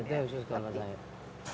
iya itu khusus kelapa sawit